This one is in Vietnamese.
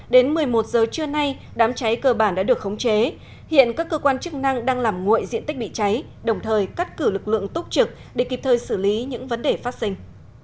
đến một mươi một giờ trưa nay đám cháy cơ bản đã được khống chế hiện các cơ quan chức năng đang làm nguội diện tích bị cháy đồng thời cắt cử lực lượng túc trực để kịp thời xử lý những vấn đề phát sinh